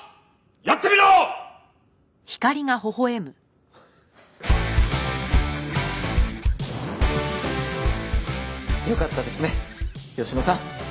やってみろ！よかったですね吉野さん。